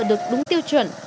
được đúng tiêu chuẩn